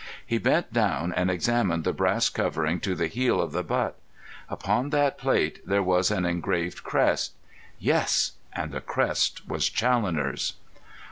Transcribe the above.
He bent down and examined the brass covering to the heel of the butt. Upon that plate there was an engraved crest. Yes! and the crest was Challoner's!